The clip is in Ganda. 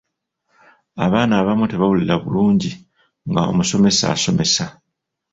Abaana abamu tebawulira bulungi nga omusomesa asomesa.